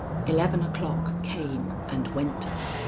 Eleven o'clock came and went.